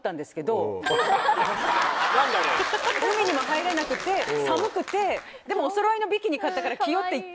海にも入れなくって寒くてでもおそろいのビキニ買ったから着ようって言って。